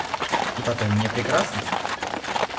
И потом мне прекрасно.